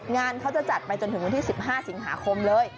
งานเขาจะจัดไปจนถึงวันที่๑๕สิงหาคมเลย